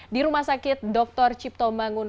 di rumah sakit dr cipto bangun